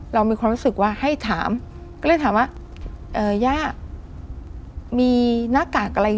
เรามีความรู้สึกว่าให้ถามก็เลยถามว่าเอ่อย่ามีหน้ากากอะไร